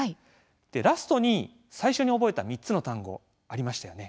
でラストに最初に覚えた３つの単語ありましたよね。